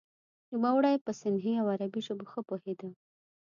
نوموړی په سندهي او عربي ژبو ښه پوهیده.